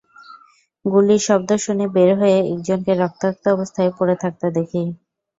গুলির শব্দ শুনে বের হয়ে একজনকে রক্তাক্ত অবস্থায় পড়ে থাকতে দেখি।